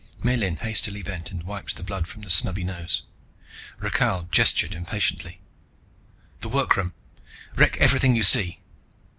Miellyn hastily bent and wiped the blood from the snubby nose. Rakhal gestured impatiently. "The workroom. Wreck everything you see.